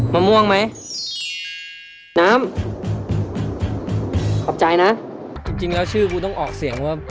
มะม่วงไหมน้ำขอบใจนะจริงจริงแล้วชื่อกูต้องออกเสียงว่า